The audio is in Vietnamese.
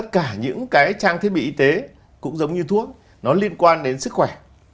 tất cả những cái trang thiết bị y tế cũng giống như thuốc nó liên quan đến sức khỏe